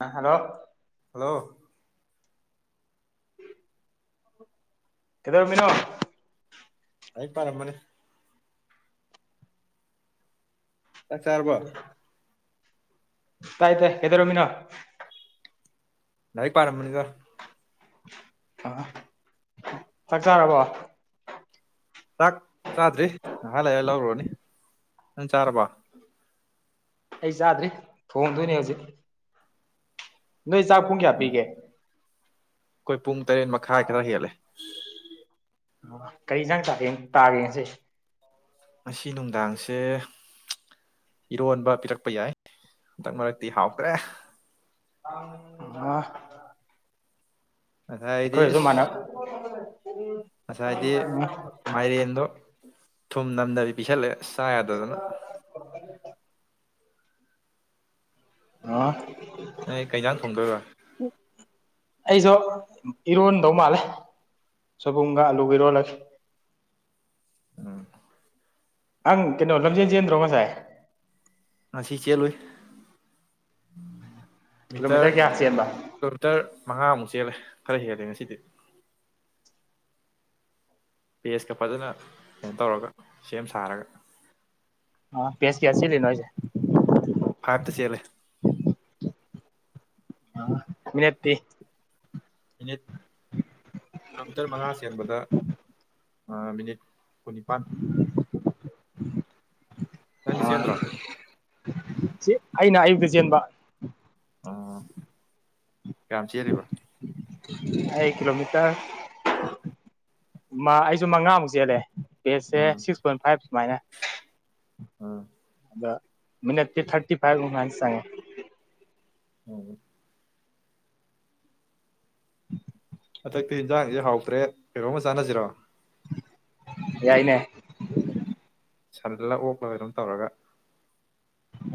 ꯑ hello hello ꯀꯗ ꯑꯣꯏ ꯃꯤꯅꯣ ꯂꯩꯔꯤꯛ ꯄꯔꯃꯅꯦ ꯆꯥꯛ ꯆꯔꯔꯕ ꯇꯥꯏ ꯇꯥꯏ ꯀꯩꯗꯧꯔꯝꯃꯤꯅꫭ ꯂꯥꯏꯔꯤꯛ ꯄꯥꯔꯝꯕꯅꯤꯗ ꯑ ꯆꯥꯛ ꯆꯥꯔꯕꯣ ꯆꯥꯛ ꯆꯥꯗ꯭ꯔꯤ ꯉꯍꯥꯛ ꯂꯩꫪ ꯂꯧꯔꯨꯔꯅꯤ ꯅꯪ ꯆꯥꯔꯕ ꯑꯩ ꯆꯥꯗ꯭ꯔꯤ ꯊꯣꯡꯗꯣꯏꯅꯦ ꯍꯧꯖꯤꯛ ꯅꯣꯏ ꯆꯥꯛ ꯄꯨꯡ ꯀꯌꯥ ꯎꯝ ꯄꯤꯒꯦ ꯑꯩꯈꯣꯏ ꯄꯨꯡ ꯇꯔꯦꯠ ꯃꯈꯥꯏ ꯈꯔ ꯍꯦꯜꯂꯦ ꯀꯔꯤ ꯍꯤꯟꯖꯥꯡ ꯇꯥꯒꯦ ꯉꯁꯤ ꯉꯁꯤ ꯅꯨꯡꯗꯥꯡꯁꯦ ꯏꯔꯣꯟꯕ ꯄꯤꯔꯛꯄ ꯌꯥꯏ ꯍꯟꯗꯛ ꯃꯔꯛꯇꯤ ꯍꯥꯎꯈ꯭ꯔꯦ ꯋꯥ ꯑꯗ ꯏꯗꯤꯁ ꯉꯁꯥꯏꯗꯤ ꯃꯥꯔꯤꯟꯗꯣ ꯊꯨꯝ ꯅꯝꯗꯕꯤ ꯄꯤꯁꯜꯂꯦ ꯑꯁ ꯆꯥ ꯌꯥꯗꯗꯅ [inaudible] ꯑ ꯅꫭꯏ ꯀꯩꯖꯥꯡ ꯊꯣꯡꯗꯣꯏꯕ ꯑꯩꯁꯨ ꯏꯔꯣꯟꯗꯧ ꯃꯥꯜꯂꯦ ꯁꯕꯨꯝꯒ ꯑꯂꯨꯒ ꯏꯔꯣꯜꯂꯒꯦ ꯎꯝ ꯑꯪ ꯀꯩꯅꯣ ꯂꯝꯖꯦꯟꯖꯦꯟꯦꯟꯗ꯭ꯔꯣ ꯉꯁꯥꯏ ꯉꯁꯤ ꯆꯦꯜꯂꯨꯏ ꯃꯤꯇꯔ ꯀꯤꯂꯣꯃꯤꯇꯔ ꯀꯌꯥ ꯆꯦꯟꯕ ꯀꯤꯂꯣꯃꯤꯇꯔ ꯃꯉꯥꯃꯨꯛ ꯆꯦꯜꯂꯦ ꯈꯔꯦ ꯍꯦꯜꯂꯦ ꯉꯁꯤꯗꯤ ꯄꯦꯁꯀ ꯐꯖꯅ ꯀꯩꯅꯣ ꯇꯧꯔꯒ ꯁꯦꯝ ꯁꯥꯔꯒ ꯑ ꯄꯦꯁꯒ ꯁꯤꯅꯣꯏꯁꯦ ꯐꯥꯏꯚꯇ ꯆꯦꯜꯂꯦ ꯃꯤꯅꯠꯇꯦ ꯃꯤꯅꯤꯠ ꯀꯤꯂꯣꯃꯤꯇꯔ ꯃꯉꯥ ꯆꯦꯟꯕꯗ ꯑ ꯃꯤꯅꯤꯠ ꯀꯨꯅꯤꯄꯥꯟ [inaudible] ꯅꯪꯗꯤ ꯁꯦꯗ꯭ꯔꯝ ꯁꯤ ꯑꯩꯅ ꯑꯌꯨꯛꯇ ꯆꯦꯟꯕ ꯑꯥ ꯌꯥꯝ ꯆꯦꯜꯂꯤꯕ ꯑꯩ ꯀꯤꯂꯣꯃꯤꯇꯔ ꯑꯩꯁꯨ ꯃꯉꯥꯃꯨꯛ ꯆꯦꯜꯂꯦ ꯕꯦꯁꯁꯦ ꯑꯥ ꯁꯤꯛꯁ ꯄꯣꯏꯟ ꯐꯥꯏꯚ ꯁꯨꯃꯥꯏꯅ ꯑꯥ ꯃꯤꯅꯠ ꯊꯥꯔꯇꯤ ꯐꯥꯏꯚꯅꯤ ꯆꯉꯦ ꯍ [inaudible] ꯍꯟꯗꯛꯇꯤ ꯌꯦꯟꯖꯥꯡꯁꯦ ꯍꯥꯎꯇ꯭ꯔꯦ ꯀꯩꯅꯣꯝꯃ ꯆꯥꯟꯅꯁꯤꯔꯣ ꯌꯥꯏꯅꯦ ꯁꯜꯂ ꯑꯣꯛꯂꯒ ꯑꯗꯨꯝ ꯇꯧꯔꯒ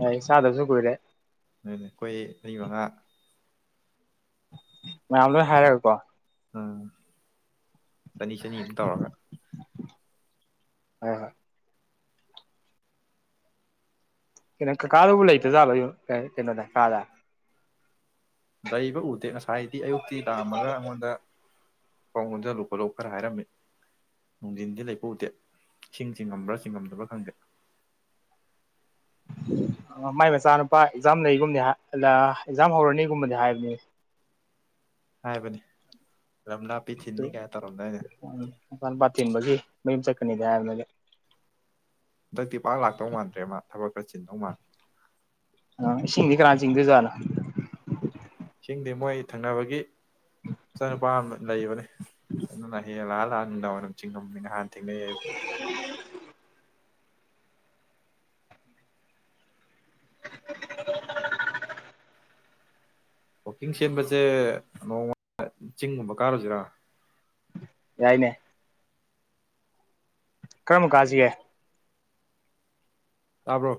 ꯌꯥꯏ ꯆꯗꯕꯁꯨ ꯀꯨꯏꯔꯦ ꯑꯗꯨ ꯑꯩꯈꯣꯏ ꯃ ꯃꯉꯥ ꯃꯌꯥꯝ ꯂꯣꯏ ꯍꯥꯏꯔꯒꯦꯀꯣ ꯑꯥ ꯆꯅꯤ ꯆꯅꯤ ꯑꯃ ꯇꯧꯔꯒ ꯍ ꯍ ꯀꯩꯅꯣ ꯀꯀꯥꯗꯕꯨ ꯂꯩꯇ ꯆꯥꯕ ꯀꯩꯅꯣꯗ ꯀꯥꯗ ꯗꯏꯕ ꯎꯗ ꯍꯥꯏꯗꯤ ꯑꯌꯨꯛꯇꯤ ꯂꯥꯛ ꯑꯝꯃꯒ ꯑꯩꯉꯣꯟꯗ ꯊꯣꯡ ꯂꯣꯟꯖꯜꯂꯨ ꯈꯣꯠꯂꯨ ꯈꯔ ꯍꯥꯏꯔꯝꯃꯤ ꯅꯨꯡꯊꯟꯗꯤ ꯂꯩꯕ ꯎꯗꯦ ꯏꯁꯤꯡ ꯆꯤꯡꯉꯝꯕ꯭ꯔꯥ ꯆꯤꯡꯉꯝꯗꯕ꯭ꯔꯥ ꯈꯪꯗꯦ ꯃꯥꯏ ꯃꯆꯥꯅꯨꯄꯥ ꯑꯦꯛꯖꯥꯝ ꯂꯩꯒꯨꯝꯕꯅꯤ ꯑꯦꯛꯖꯥꯝ ꯍꯧꯔꯅꯤꯒꯨꯝꯕꯗꯤ ꯍꯥꯏꯕꯅꯤ ꯍꯥꯏꯕꯅꯤ ꯂꯝ ꯂꯥꯞꯄꯤ ꯊꯤꯟꯅꯤ ꯀꯥꯏ ꯇꯧꯔꯝꯗꯥꯏꯅꯦ ꯃꯆꯥꯅꯨꯄꯥ ꯊꯤꯟꯕꯒꯤ ꯃꯌꯨꯝ ꯆ ꯅꯤꯗꯤ ꯍꯥꯏꯕꯅꯤ ꯍꯟꯇꯛꯇꯤ ꯄꯥꯛ ꯂꯥꯛꯇꯧ ꯃꯥꯟꯗ꯭ꯔꯦ ꯃꯥ ꯊꯕꯛ ꯈꯔ ꯆꯤꯟꯗꯧ ꯃꯥꯜꯂꯦ ꯑ ꯏꯁꯤꯡꯗꯤ ꯀꯅꯥꯅ ꯆꯤꯡꯗꯣꯏꯖꯥꯠꯅꯣ ꯏꯁꯤꯡꯗꯤ ꯃꯣꯏ ꯊꯪꯅꯕꯒꯤ ꯃꯆꯥꯅꯨꯄꯥ ꯑꯃ ꯂꯩꯕꯅꯦ ꯑꯗꯨꯅ ꯍꯦ ꯍꯦꯛ ꯂꯥꯛꯑ ꯂꯥꯛꯑ ꯅꯨꯡꯗꯥꯡ ꯋꯥꯏꯔꯝ ꯆꯤꯡꯉꯝꯅꯤ ꯉꯍꯥꯟ ꯊꯦꯡꯅꯩ ꯑꯌꯨꯛꯇ [inaudible] ꯋꯥꯛꯀꯤꯡ ꯆꯦꯟꯕꯁꯦ ꯅꯣꯡꯃ ꯆꯤꯡꯒꯨꯝꯕ ꯀꯥꯔꯨꯁꯤꯔꯥ ꯌꯥꯏꯅꯦ ꯀꯔꯝꯕ ꯀꯥꯖꯤꯒꯦ ꯇꯥꯕ꯭ꯔꯣ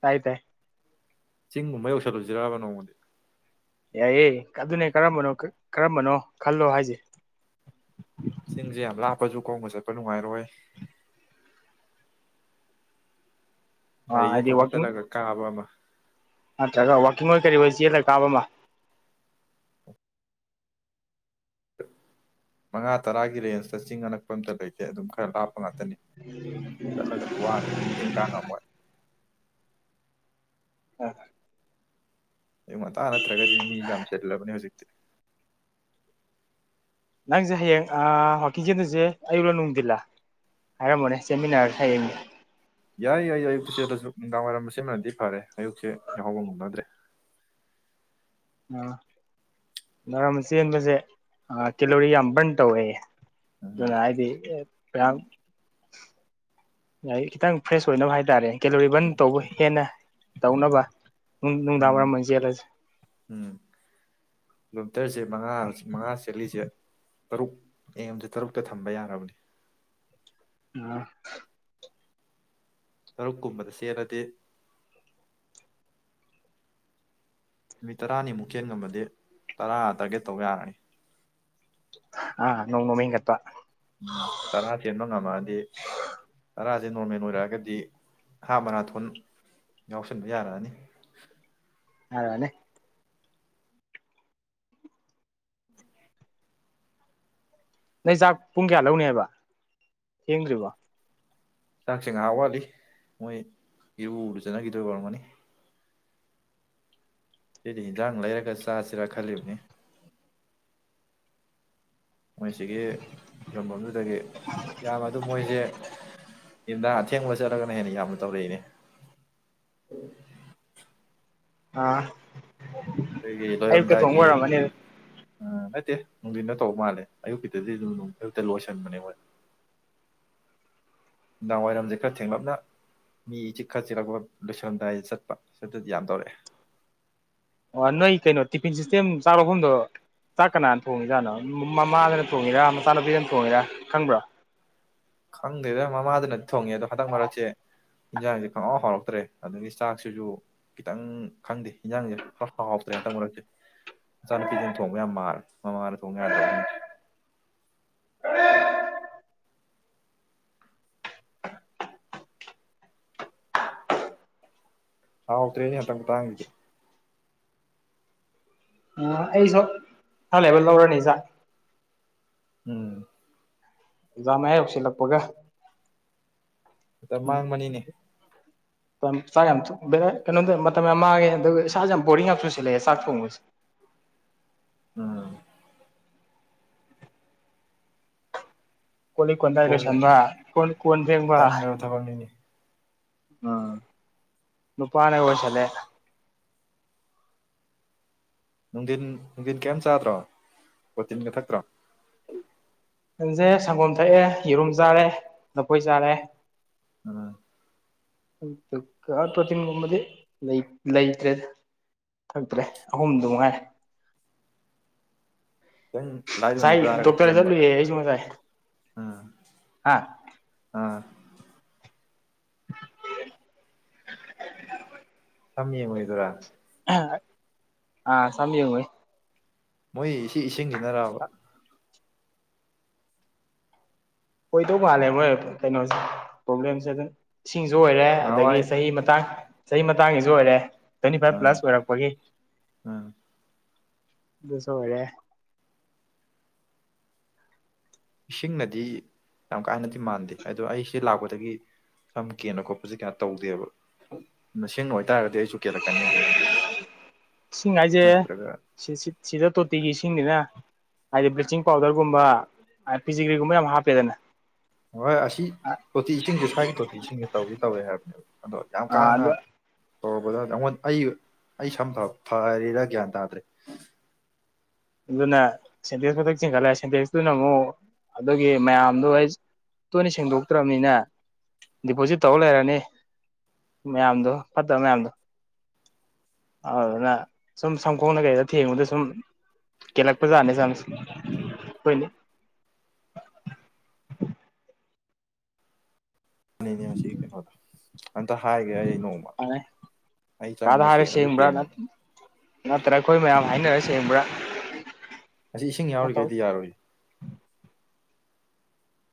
ꯇꯥꯏ ꯇꯥꯏ ꯆꯤꯡꯒꯨꯝꯕ ꯌꯧꯁꯜꯂꯨꯁꯤꯔꯕ ꯅꯣꯡꯃꯗꯤ ꯌꯥꯏꯌꯦ ꯑꯗꯨꯅꯦ ꯀꯔꯝꯕꯅꯣ ꯀꯔꯝꯕꯅꯣ ꯈꯜꯂꯣ ꯍꯥꯏꯁꯦ ꯆꯤꯡꯁꯦ ꯌꯥꯝ ꯂꯥꯞꯄꯁꯨ ꯈꯣꯡꯅ ꯆꯠꯄ ꯅꯨꯡꯉꯥꯏꯔꯣꯏ ꯒꯥꯔꯤꯗ ꯍꯥꯏꯗꯤ ꯇꯣꯡꯉ ꯋꯥꯛꯀꯤꯡ ꯆꯠꯂꯒ ꯀꯥꯕ ꯑꯃ ꯅꯠꯇ꯭ꯔꯒ ꯋꯥꯛꯀꯤꯡ ꯑꯣꯏ ꯀꯔꯤ ꯑꯣꯏ ꯆꯦꯜꯂꯒ ꯀꯥꯕ ꯑꯃ ꯃꯉꯥ ꯇꯔꯥꯒꯤ ꯔꯦꯟꯖꯇ ꯆꯤꯡ ꯑꯅꯛꯄ ꯑꯝꯇ ꯂꯩꯇꯦ ꯑꯗꯨꯝ ꯈꯔ ꯂꯥꯞꯄ ꯉꯥꯛꯇ ꯇꯅꯤ ꯆꯠꯂꯒꯗꯤ ꯋꯥꯅꯤ ꯆꯤꯡ ꯀꯥ ꯉꯝꯃꯣꯏ ꯑ ꯑꯌꯨꯛ ꯉꯟꯇꯥ ꯅꯠꯇ꯭ꯔꯒꯗꯤ ꯃꯤ ꯌꯥꯝ ꯆꯤꯜꯂꯕꯅꯤ ꯍꯧꯖꯤꯛꯇꯤ ꯅꯪꯁꯦ ꯍꯌꯦꯡ ꯑꯥ ꯋꯥꯀꯤꯡ ꯆꯦꯟꯗꯨꯏꯁꯦ ꯑꯌꯨꯛꯂꯥ ꯅꯨꯡꯊꯤꯜꯂꯥ ꯍꯥꯏꯔꯝꯃꯣꯅꯦ ꯆꯦꯟꯃꯤꯟꯅꯔꯁꯦ ꯍꯌꯦꯡꯗꯤ ꯌꯥꯏ ꯌꯥꯏ ꯑꯌꯨꯛꯇꯤ ꯆꯦꯜꯠꯂꯁꯨ ꯅꯨꯡꯗꯥꯡ ꯋꯥꯏꯔꯝ ꯁꯤꯃꯗꯤ ꯐꯔꯦ ꯑꯌꯨꯛꯁꯦ ꯌꯥꯎꯍꯧꯕ ꯉꯝꯅꯗ꯭ꯔꯦ ꯑ ꯅꯨꯡꯗꯥꯡꯋꯥꯏꯔꯝ ꯆꯦꯟꯕꯁꯦ ꯀꯦꯂꯣꯔꯤ ꯌꯥꯝ ꯕ꯭ꯔꯟ ꯇꯧꯋꯦꯌꯦ ꯎꯝ ꯑꯗꯨꯅ ꯍꯥꯏꯗꯤ ꯄ ꯌꯥꯏꯌꯦ ꯈꯤꯇꯪ ꯐ꯭ꯔꯦꯁ ꯑꯣꯏꯅꯕ ꯍꯥꯏꯇꯥꯔꯦ ꯀꯦꯂꯣꯔꯤ ꯕ꯭ꯔꯟ ꯇꯧꯕ ꯍꯦꯟꯅ ꯇꯧꯅꯕ ꯅꯨꯡ ꯅꯨꯡꯗꯥꯡ ꯎꯝ ꯋꯥꯏꯔꯝ ꯑꯣꯏꯅ ꯆꯦꯜꯂꯥꯁꯤ꯫ ꯎꯝ ꯀꯤꯂꯣꯃꯤꯇꯔꯁꯦ ꯃꯉꯥ ꯍꯧꯖꯤꯛ ꯃꯉꯥ ꯆꯦꯠꯂꯤꯁꯦ ꯇꯔꯨꯛ ꯑꯦꯝꯖꯤ ꯇꯔꯨꯛꯇ ꯊꯝꯕ ꯌꯥꯔꯕꯅꯤ꯫ [unintelligible] ꯇꯔꯨꯛ ꯀꯨꯝꯕꯗ ꯆꯦꯜꯂꯗꯤ ꯅꯨꯃꯤꯠ ꯇꯔꯥꯅꯤꯃꯨꯛ ꯆꯦꯟ ꯉꯃꯗꯤ ꯇꯔꯥ ꯇꯥꯔꯒꯦꯠ ꯇꯧꯕ ꯌꯥꯔꯅꯤ꯫ ꯑ ꯅꯣꯡ - ꯅꯣꯃꯒꯤ ꯍꯦꯟꯒꯠꯄ꯫ ꯎꯝ ꯇꯔꯥ ꯆꯦꯟꯕ ꯉꯝꯃꯛꯑꯗꯤ ꯇꯔꯥꯁꯦ ꯅꯣꯔꯃꯦꯜ ꯑꯣꯏꯔꯛꯑꯒꯗꯤ ꯍꯥ ꯃꯥꯔꯥꯊꯣꯟ ꯌꯥꯎꯁꯟꯕ ꯌꯥꯔꯛꯑꯅꯤ꯫ [unintelligible] ꯅꯪ ꯆꯥꯛ ꯄꯨꯡ ꯀꯌꯥ ꯂꯧꯅꯤꯕ ꯊꯦꯡꯗ꯭ꯔꯤꯕꯣ? ꯆꯥꯛꯁꯦ ꯉꯥꯏꯍꯥꯛ ꯋꯥꯠꯂꯤ ꯃꯣꯏ ꯏꯔꯨ ꯂꯨꯖꯅꯈꯤꯗꯣꯏ ꯑꯣꯏꯔꯝꯃꯅꯤ꯫ ꯁꯤꯗꯤ ꯏꯟꯖꯥꯡ ꯂꯩꯔꯒ ꯆꯥꯁꯤꯔꯥ ꯈꯜꯂꯤꯕꯅꯤ꯫ ꯃꯣꯏꯁꯤꯒꯤ ꯐꯤꯔꯝꯐꯝꯗꯨꯗꯒꯤ ꯌꯥꯝꯕ ꯑꯗꯨ ꯃꯣꯏ ꯖꯤ ꯌꯦꯟꯗ ꯑꯊꯦꯡꯕ ꯆꯠꯂꯒꯅ ꯍꯦꯟꯅ ꯌꯥꯝꯅ ꯇꯧꯔꯛꯏꯅꯦ꯫ ꯑꯥ ꯑꯩꯈꯣꯏꯒꯤ ꯑꯌꯨꯛꯇ ꯊꯣꯡꯕ ꯂꯣꯏꯔꯝꯗꯥꯏꯒꯤ ꯑꯣꯏꯔꯝꯃꯅꯤ ꯑ ꯅꯠꯇꯦ ꯅꯨꯡꯗꯤꯟꯅ ꯇꯧꯕ ꯃꯥꯜꯂꯦ ꯑꯌꯨꯛꯀꯤꯗꯗꯤ ꯑꯗꯨꯝ ꯑꯌꯨꯛꯇ ꯂꯣꯏꯁꯤꯟꯕꯅꯦ ꯍꯣꯏ꯫ ꯅꯨꯡꯗꯥꯡ ꯋꯥꯏꯔꯝꯁꯦ ꯈꯔ ꯊꯦꯡꯂꯞꯅ ꯃꯤ ꯆꯤꯛꯈꯔ ꯆꯤꯛꯂꯛꯄ ꯂꯣꯏꯁꯜꯂꯝꯗꯥꯏꯗ ꯆꯠꯄ ꯁꯤꯠꯇꯗꯤ ꯌꯥꯝ ꯇꯧꯔꯛꯑꯦ꯫ ꯑꯣ ꯅꯣꯏ ꯀꯩꯅꯣ ꯇꯤꯐꯤꯟ ꯁꯤꯁꯇꯦꯝ ꯆꯥꯛ ꯂꯥꯛꯐꯝꯗꯣ ꯆꯥꯛ ꯀꯅꯥꯅ ꯊꯣꯡꯉꯤꯖꯥꯠꯅꯣ ꯃꯃꯥꯗꯅ ꯊꯣꯡꯉꯤꯔꯥ ꯃꯆꯥꯅꯨꯄꯤꯗꯅ ꯊꯣꯡꯉꯤꯔꯥ ꯈꯪꯕ꯭ꯔꯣ? ꯈꯪꯗꯦꯗꯥ ꯃꯃꯥ ꯗꯨꯅ ꯊꯣꯡꯉꯦ ꯑꯗꯣ ꯍꯟꯗꯛ ꯃꯔꯛꯁꯦ ꯏꯟꯖꯥꯡꯁꯦ ꯈꯣꯡꯍꯥꯎ ꯍꯥꯎꯔꯛꯇ꯭ꯔꯦ ꯑꯗꯒꯤ ꯆꯥꯛꯁꯤꯁꯨ ꯈꯤꯇꯪ ꯈꯪꯗꯦ ꯍꯟꯖꯥꯡꯁꯦ ꯈꯔ ꯍꯥꯎꯥꯎꯇ꯭ꯔꯦ ꯍꯟꯇꯛ ꯃꯔꯛꯁꯦ ꯃꯆꯥꯅꯨꯄꯤꯁꯤꯅ ꯊꯣꯡꯕ ꯌꯥꯝ ꯃꯥꯔꯦ ꯃꯃꯥꯅ ꯊꯣꯡꯕ ꯌꯥꯗ꯭ꯔꯕ ꯈꯪꯗꯦ꯫ ꯍꯥꯎ ꯇ꯭ꯔꯦꯅꯦ ꯍꯟꯇꯥꯛ ꯃꯇꯥꯡꯖꯤꯗꯤ꯫ ꯑꯩꯁꯨ ꯈꯔ ꯂꯧꯔꯅꯤꯖꯥꯛ꯫ ꯎꯝ꯫ ꯖꯥꯝ ꯌꯥ ꯎꯁꯤꯂꯥꯛꯄꯒ ꯃꯇꯝ ꯃꯥꯡꯕꯅꯤꯅꯦ꯫ ꯆꯥꯛ ꯌꯥꯝꯕ ꯀꯩꯅꯣꯝꯗ ꯃꯇꯝ ꯌꯥꯝ ꯃꯥꯡꯉꯦ ꯑꯗꯨꯒ ꯏꯁꯥꯁꯦ ꯌꯥꯝ ꯕꯣꯔꯤꯡ ꯌꯥꯝ ꯆꯨꯁꯤꯜꯂꯛꯑꯦ ꯆꯥꯛ ꯊꯣꯡꯕꯁꯦ꯫ ꯎꯝ ꯀꯣꯅꯤ ꯀꯣꯟ ꯇ ꯏꯗ ꯊꯣꯡꯕ ꯁꯟꯕ ꯀꯣꯟ ꯀꯣꯟ ꯐꯦꯡꯕ ꯇꯟꯈ꯭ꯔꯕ ꯊꯕꯛꯅꯤꯅꯦ ꯎꯝꯄꯥꯅꯀꯁꯂꯦ ꯅꯨꯡꯊꯤꯟ ꯅꯨꯡꯊꯤꯟ ꯀꯩꯝ ꯆꯥꯗ꯭ꯔꯣ ꯄꯣꯇꯤꯟꯒ ꯊꯛꯇ꯭ꯔꯣ ꯈꯟꯁꯦ ꯁꯪꯒꯣꯝ ꯊꯛꯑꯦ ꯌꯦꯔꯨꯝ ꯆꯥꯔꯦ ꯂꯐꯣꯏ ꯆꯥꯔꯦ ꯑ ꯄ꯭ꯔꯣꯇꯤꯟꯒꯨꯝꯕꯗꯤ ꯂꯩꯇ꯭ꯔꯦꯗ ꯐꯛꯇ꯭ꯔꯦ ꯑꯍꯨꯝꯗ ꯉꯥꯏꯔꯦ ꯈꯤꯇꯪ ꯂꯥꯏꯗ ꯑꯣꯏꯅ ꯆꯥꯔꯒ ꯆꯦꯟꯕ ꯎꯝ ꯍꯥ ꯑꯥ [inaudible] ꯁꯝ ꯌꯦꯡꯉꯨꯏꯗꯨꯔꯥ꯫ ꯑꯥ ꯁꯝꯌꯦꯡꯉꯨꯏ꯫ [unintelligible] ꯏꯁꯤꯡꯁꯤꯅꯔꯥꯕ꯫ ꯑꯣꯏꯗꯧ ꯃꯥꯜꯂꯦ ꯃꯣꯏ ꯀꯩꯅꯣꯁꯦ ꯄ꯭ꯔꯣꯕ꯭ꯂꯦꯝꯁꯦ ꯑꯗꯨꯅ꯫ ꯏꯁꯤꯡꯁꯨ ꯑꯣꯏꯔꯦ ꯑꯗꯒꯤ ꯅꯍꯥꯟꯋꯥꯏ ꯆꯍꯤ ꯃꯇꯥꯡ꯫ ꯆꯍꯤ ꯃꯇꯥꯡꯒꯤꯁꯨ ꯑꯣꯏꯔꯦ꯫ ꯇ꯭ꯋꯦꯟꯇꯤ ꯐꯥꯏꯚ ꯑꯥ ꯄ꯭ꯂꯁ ꯑꯣꯏꯔꯛꯄꯒꯤ꯫ ꯑꯥ [unintelligible] ꯑꯣꯏꯔꯦ꯫ ꯏꯁꯤꯡꯅꯗꯤ ꯌꯥꯝ ꯀꯥꯍꯦꯟꯅꯗꯤ ꯃꯥꯟꯗꯦ ꯑꯗꯣ ꯑꯩꯁꯤ ꯂꯥꯛꯄꯗꯒꯤ ꯁꯝ ꯀꯦꯟꯕ ꯈꯣꯠꯄꯁꯦ ꯀꯩꯅꯣ ꯇꯧꯗꯦꯕ ꯏꯁꯤꯡꯅ ꯑꯣꯏꯇꯥꯔꯒꯗꯤ ꯑꯩꯁꯨ ꯀꯦꯜꯂꯛꯀꯅꯦꯕ꯫ ꯏꯁꯤꯡꯍꯥꯏꯁꯦ ꯅꯠꯇ꯭ꯔꯒ ꯁꯤ ꯁꯤꯗ ꯇꯣ ꯇꯤꯒꯤ ꯏꯁꯤꯡꯁꯤꯅ ꯍꯥꯏꯗꯤ ꯕ꯭ꯂꯤꯆꯤꯡ ꯄꯥꯎꯗꯔꯒꯨꯝꯕ ꯐꯤꯖꯤꯒ꯭ꯔꯤꯒꯨꯝꯕ ꯌꯥꯝ ꯍꯥꯞꯄꯦꯗꯅ꯫ ꯍꯣꯏ ꯑꯁꯤ ꯇꯣꯇꯤ ꯏꯁꯤꯡꯁꯦ ꯁ꯭ꯋꯥꯏꯒꯤ ꯇꯣꯇꯤ ꯏꯁꯤꯡꯁꯦ ꯇꯧꯗꯤ ꯇꯧꯏꯦ ꯍꯥꯏꯕꯅꯦꯕ ꯑꯗꯣ ꯌꯥꯝ ꯀꯥ ꯑꯥ ꯍꯦꯟꯅ꯫ ꯑꯗꯨ ꯇꯧꯔꯕꯗ ꯑꯩꯉꯣꯟꯗ ꯑꯩ ꯑꯩ ꯁꯝ ꯐꯔꯤꯔꯥ ꯒ꯭ꯌꯥꯟ ꯇꯥꯗ꯭ꯔꯦ꯫ ꯑꯗꯨꯅ ꯁꯦꯟꯇꯦꯛꯁ ꯃꯊꯛ ꯆꯤꯡꯒꯠꯂ ꯁꯦꯟꯇꯦꯛꯁꯇꯨꯅ ꯑꯃꯨꯛ ꯑꯗꯨꯒꯤ ꯃꯌꯥꯝꯗꯣ ꯇꯣꯏꯅ ꯁꯦꯡꯗꯣꯛꯇ꯭ꯔꯕꯅꯤꯅ ꯗꯤꯄꯣꯖꯤꯠ ꯇꯧꯔ ꯂꯩꯔꯅꯤ ꯃꯌꯥꯝꯗꯣ ꯐꯠꯇꯕ ꯃꯌꯥꯝꯗꯣ ꯑꯗꯨꯅ ꯁꯨꯝ ꯁꯝꯈꯣꯡꯗ ꯀꯩꯗ ꯊꯦꯡꯕꯗ ꯁꯨꯝ꯫ ꯀꯦꯂꯒꯄꯖꯥꯅꯦ [unintelligible] ꯁꯤꯗꯤ ꯑꯁꯤ ꯀꯩꯅꯣꯗꯣ꯫ ꯑꯝꯇ ꯍꯥꯏꯒꯦ ꯑꯩ ꯅꯣꯡꯃ ꯑꯩ ꯀꯥꯗ ꯆꯪꯉꯒ ꯍꯥꯏꯔ ꯁꯦꯡꯉꯁꯨ ꯁꯦꯡꯕ꯭ꯔꯥ ꯁꯦꯡꯉꯒꯦ ꯅꯠꯇ꯭ꯔꯥ ꯑꯩꯈꯣꯏ ꯃꯌꯥꯝ ꯍꯥꯏꯅꯔ ꯁꯦꯡ ꯁꯦꯡꯕ꯭ꯔꯥ꯫ ꯃꯁꯤ ꯏꯁꯤꯡ ꯇꯧ ꯌꯥꯎꯔꯤꯈꯩꯗꯤ ꯌꯥꯔꯣꯏ꯫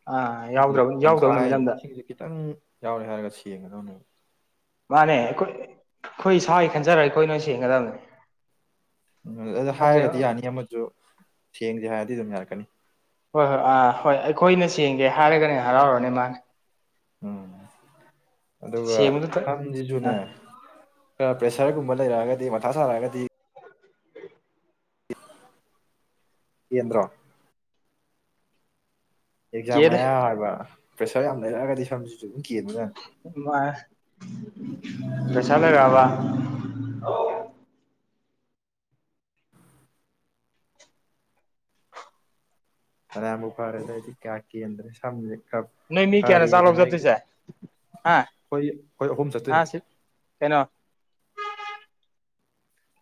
ꯑꯥ ꯁꯤꯡꯁ ꯌꯥꯎꯗ꯭ꯔꯕ ꯌꯥꯎꯗꯕ ꯇꯪꯈꯥꯏ ꯅꯨꯃꯤꯠ ꯑꯝꯗ ꯏꯁꯤꯡꯁꯦ ꯈꯤꯇꯪ꯫ ꯌꯥꯎꯔꯦ ꯍꯥꯏꯔꯒ ꯁꯦꯡꯒꯗꯧꯅꯦ꯫ ꯃꯥꯅꯦ ꯑꯩꯈꯣꯏ ꯑꯩꯈꯣꯏ ꯏꯁꯥꯒꯤ ꯈꯟꯖꯔꯒ ꯑꯩꯈꯣꯏ ꯅꯣꯏ ꯁꯦꯡꯒꯗꯕꯅꯦ꯫ ꯎꯝ ꯑꯗꯨꯗ ꯅꯠꯇ꯭ꯔꯦ ꯍꯥꯏꯔꯒꯗꯤ ꯍꯣꯏ ꯌꯥꯅꯤ ꯑꯃꯁꯨ ꯁꯦꯡꯖꯦ ꯍꯥꯏꯔ [unintelligible] ꯌꯥꯔꯀꯅꯤ ꯍꯣꯏ ꯍꯣꯏ ꯑꯥ ꯍꯣꯏ ꯑꯩꯈꯣꯏꯅ ꯁꯦꯡꯖꯦ ꯍꯥꯏꯔꯒꯅ ꯍꯔꯥꯎꯔꯅꯤ ꯃꯥꯅꯦ ꯎꯝ꯫ ꯑꯗꯨꯒ ꯁꯦꯡꯕꯗꯨꯗ ꯑ ꯁꯝꯁꯤꯁꯨꯅꯦ꯫ ꯈꯔ ꯄ꯭ꯔꯦꯁꯔꯒꯨꯝꯕ ꯂꯩꯔꯛꯑꯒꯗꯤ ꯃꯊꯥ ꯁꯥꯔꯛꯑꯒꯗꯤ꯫ ꯀꯦꯟꯗ꯭ꯔꯣ꯫ ꯑꯦꯛꯖꯥꯝ ꯀꯦꯜꯂꯦ ꯃꯌꯥ ꯍꯥꯏꯕ꯫ ꯄ꯭ꯔꯦꯁꯔ ꯌꯥꯝ ꯂꯩꯛꯑꯒꯗꯤ ꯁꯝꯁꯤꯁꯨ ꯑꯗꯨꯝ꯫ ꯀꯦꯟꯕꯖꯥꯠꯅꯤ ꯃꯥꯅꯦ ꯄꯩꯁꯥ ꯂꯩꯔꯕ꯫ [unintelligible] ꯐꯅ꯭ꯌꯥꯝꯕꯨ ꯐꯔꯦꯗ ꯑꯩꯗꯤ ꯀꯌꯥ ꯀꯦꯟꯗ꯭ꯔꯦ ꯁꯝꯁꯦ꯫ ꯈꯔ ꯅꯣꯏ ꯃꯤ ꯐꯔꯤ ꯀꯌꯥꯅ ꯆꯥꯛ ꯂꯧ ꯑꯗꯨꯅꯦ ꯑꯩꯒꯤꯗꯤ ꯆꯠꯇ꯭ꯣꯏꯁꯦ ꯑꯩꯈꯣꯏ ꯑꯩꯈꯣꯏ ꯑꯍꯨꯝ ꯍꯥ ꯆꯠꯇꯣꯏꯅꯦ ꯁꯤ ꯀꯩꯅꯣ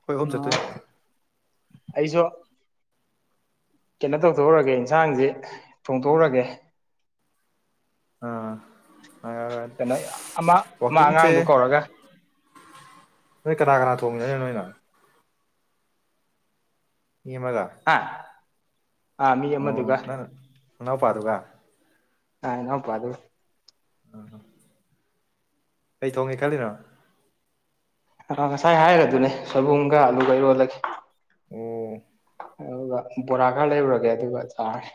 ꯑꯈꯣꯏ ꯑꯍꯝ ꯆꯠꯇꯣꯏꯅꯦ ꯑꯩꯁꯨ ꯀꯩꯅꯣ ꯇꯧꯊꯣꯛꯎꯔꯒꯦ ꯌꯦꯟꯁꯥꯡꯁꯤ ꯊꯣꯡꯗꯣꯛꯎꯔꯒꯦ ꯑꯥ ꯑꯥ ꯀꯩꯅꯣ ꯑꯃ ꯑꯃ ꯋꯥꯛꯀꯤꯡꯁꯦ ꯑꯉꯥꯡꯗꯨ ꯀꯧꯔꯒ ꯅꯣꯏ ꯀꯅꯥ ꯀꯅꯥ ꯊꯣꯉꯤꯁꯦ [unintelligible] ꯃꯤ ꯑꯃꯒꯥ ꯍꯥ ꯑꯥ ꯃꯤ ꯑꯃꯗꯨꯒ ꯃꯅꯥꯎꯄꯥꯗꯨꯒ [unintelligible] ꯑ ꯍꯣ ꯀꯩ ꯊꯣꯡꯒꯦ ꯈꯜꯂꯤꯅꯣ ꯑ ꯉꯁꯥꯏ ꯍꯥꯏꯔꯗꯨꯅꯦ ꯁꯣꯏꯕꯨꯝꯒ ꯑꯂꯨꯒ ꯏꯔꯣꯟꯂꯒꯦ ꯎꯝ ꯑꯗꯨꯒ ꯕꯣꯔꯥ ꯈꯔ ꯂꯩꯔꯨꯔꯒꯦ ꯑꯗꯨꯒ ꯆꯥꯔꯦ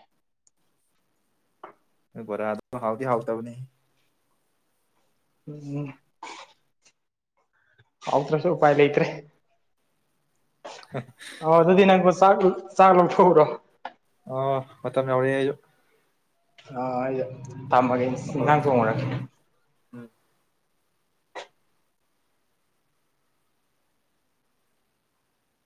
ꯕꯣꯔꯥ ꯑꯗꯨ ꯍꯥꯎꯗꯤ ꯍꯥꯎꯇꯥꯕꯅꯤ ꯎꯝ ꯍꯧꯇ꯭ꯔꯁꯨ ꯎꯄꯥꯏ ꯂꯩꯇꯔꯦ ꯑ ꯑꯗꯨꯗꯤ ꯅꯪ ꯆꯥꯛ ꯆꯥꯛ ꯂꯧꯊꯣꯀꯎꯔꯣ ꯑ ꯃꯥꯇꯝ ꯌꯧꯔꯦ ꯑꯩꯖꯨ ꯑ ꯍꯥꯏꯗ ꯇꯥꯝꯃꯒꯦ ꯏꯟꯖꯡ ꯊꯣꯡꯉꯨꯔꯥꯒꯦ ꯎꯝ